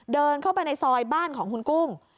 เดินเข้าไปในซอยบ้านของคุณกุ้ง